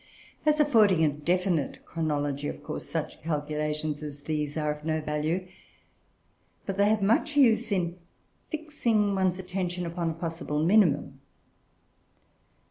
As affording a definite chronology, of course such calculations as these are of no value; but they have much use in fixing one's attention upon a possible minimum.